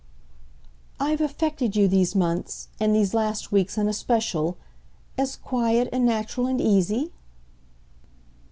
"I've affected you, these months and these last weeks in especial as quiet and natural and easy?"